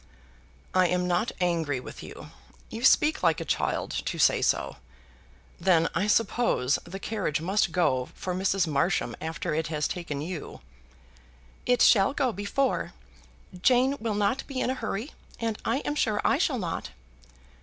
"I am not angry with you. You speak like a child to say so. Then, I suppose, the carriage must go for Mrs. Marsham after it has taken you?" "It shall go before. Jane will not be in a hurry, and I am sure I shall not."